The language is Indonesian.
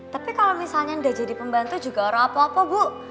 tapi kalau misalnya udah jadi pembantu juga orang apa apa bu